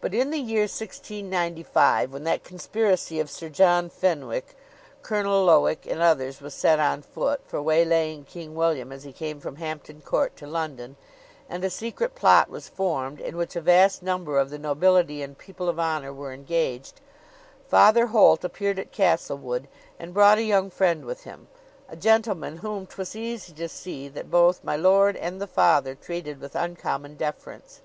But in the year 1695, when that conspiracy of Sir John Fenwick, Colonel Lowick, and others, was set on foot, for waylaying King William as he came from Hampton Court to London, and a secret plot was formed, in which a vast number of the nobility and people of honor were engaged, Father Holt appeared at Castlewood, and brought a young friend with him, a gentleman whom 'twas easy to see that both my lord and the Father treated with uncommon deference.